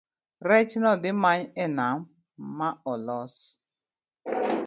rech nodhimany e nam maolos